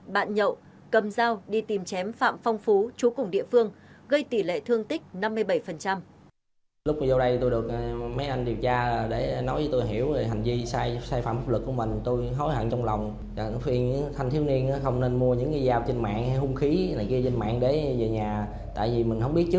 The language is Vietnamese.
bạn nhậu cầm dao đi tìm chém phạm phong phú chú cùng địa phương gây tỷ lệ thương tích năm mươi bảy